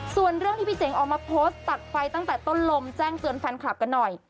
ส่วนเรื่องที่พี่เจ๋งออกมาโพสต์ตัดไฟตั้งแต่ต้นลมแจ้งเตือนแฟนคลับกันหน่อย